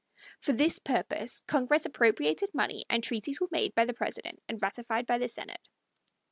For this purpose Congress appropriated money, and treaties were made by the President and ratified by the Senate.